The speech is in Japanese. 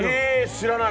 知らない。